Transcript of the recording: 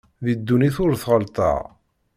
Di ddunit ur t-ɣellteɣ.